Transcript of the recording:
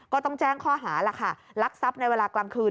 ก็ต้องแจ้งข้อหาราคาลักษณ์ในเวลากลางคืน